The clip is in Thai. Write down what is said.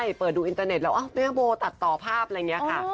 ใช่เปิดดูอินเตอร์เน็ตแล้วแม่โบตัดต่อภาพอะไรอย่างนี้ค่ะ